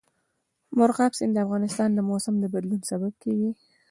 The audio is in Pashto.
مورغاب سیند د افغانستان د موسم د بدلون سبب کېږي.